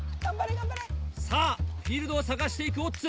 さぁフィールドを探していくオッツ。